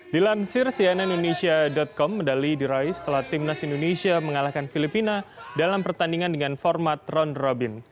dilansir cnn indonesia com medali diraih setelah timnas indonesia mengalahkan filipina dalam pertandingan dengan format ron robin